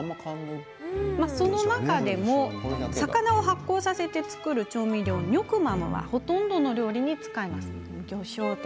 中でも、魚を発酵させて作る調味料のニョクマムはほとんどの料理に使います。